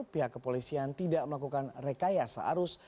pihak kepolisian tidak melakukan rekayasa arus